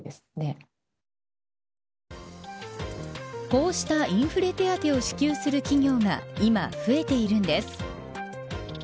こうしたインフレ手当を支給する企業が今、増えているんです。